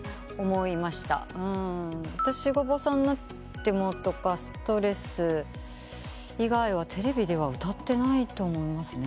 『私がオバさんになっても』とか『ストレス』以外はテレビでは歌ってないと思います。